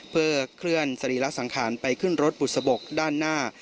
เพื่อเคลื่อนสรีระสังขารไปขึ้นรถบุษบกด้านหน้า